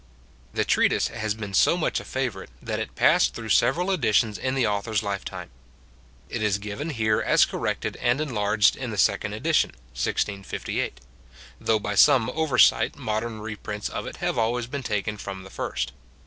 The treatise has been so much a favourite, that it passed through several editions in the author's lifetime. It is given here as corrected and enlarged in the second edition (1658), though by some oversight modern reprints of it have been always taken from the first.